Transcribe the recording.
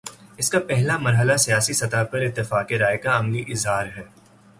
اس کا پہلا مرحلہ سیاسی سطح پر اتفاق رائے کا عملی اظہار ہے۔